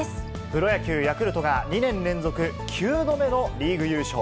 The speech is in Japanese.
プロ野球・ヤクルトが２年連続９度目のリーグ優勝。